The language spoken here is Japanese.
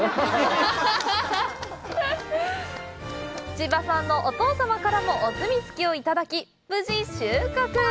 千葉さんのお父さんからもお墨つきをいただき、無事収穫！